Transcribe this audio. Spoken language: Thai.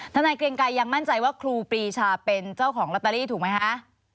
นายเกรงไกรยังมั่นใจว่าครูปรีชาเป็นเจ้าของลอตเตอรี่ถูกไหมคะ